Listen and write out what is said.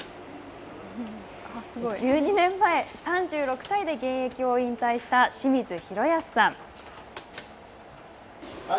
１２年前、３６歳で現役を引退した清水宏保さん。